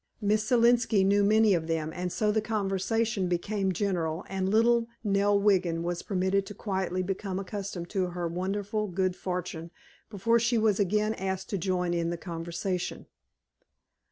Miss Selenski knew many of them, and so the conversation became general and little Nell Wiggin was permitted to quietly become accustomed to her wonderful good fortune before she was again asked to join in the conversation.